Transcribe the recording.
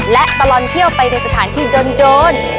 และตลอดเที่ยวไปในสถานที่โดน